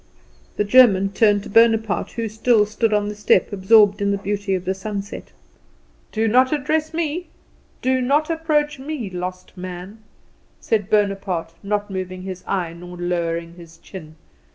The German turned to Bonaparte, who still stood on the step absorbed in the beauty of the sunset. "Do not address me; do not approach me, lost man," said Bonaparte, not moving his eye nor lowering his chin.